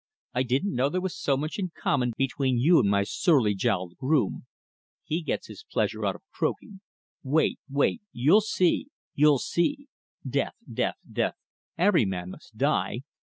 "I didn't know there was so much in common between you and my surly jowled groom. He gets his pleasure out of croaking. 'Wait, wait, you'll see you'll see! Death, death, death every man must die!